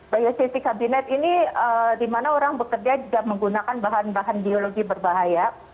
biosafety kabinet ini dimana orang bekerja menggunakan bahan bahan biologi berbahaya